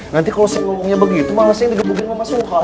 nanti kalau sepuluh puluhnya begitu malasnya yang digebukin sama maksuha